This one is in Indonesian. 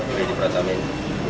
redi pratama ini